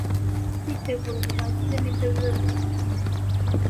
Kwitegura bihagije nibyo biba bikenewe